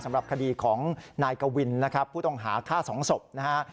สำหรับคดีของนายกวินนะครับผู้ต้องหาฆ่าสองศพนะฮะ